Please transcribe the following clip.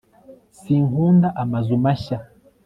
Sinkunda amazu mashya